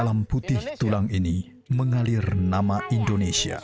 alam putih tulang ini mengalir nama indonesia